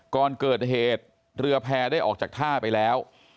ก่อนเกิดเหตุเรือแพร่ได้ออกจากท่าไปแล้ว